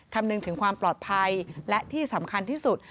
คำนึงถึงความปลอดภัยและที่สำคัญที่สุด